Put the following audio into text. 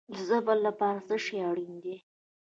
د صبر لپاره څه شی اړین دی؟